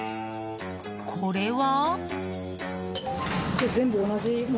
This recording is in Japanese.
これは？